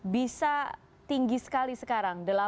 bisa tinggi sekali sekarang